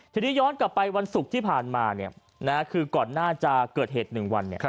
ทีนี้ย้อนกลับไปวันศุกร์ที่ผ่านมาคือก่อนหน้าจะเกิดเหตุ๑วัน